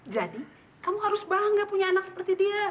jadi kamu harus bangga punya anak seperti dia